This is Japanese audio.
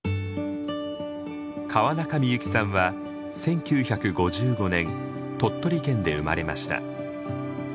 川中美幸さんは１９５５年鳥取県で生まれました。